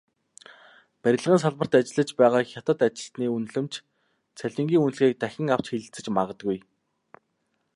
Барилгын салбарт ажиллаж байгаа хятад ажилчны үнэлэмж, цалингийн үнэлгээг дахин авч хэлэлцэж магадгүй.